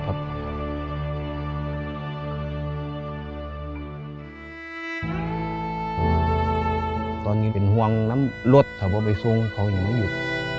ว่าอุกของผู้เป็นพ่อและแม่นะครับแต่โดยเฉพาะผู้ที่เป็นพ่อและแม่นะครับ